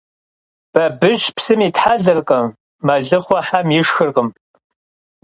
Babış psım yithelerkhım, melıxhue hem yişşxırkhım.